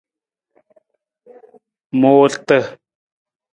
Muurata.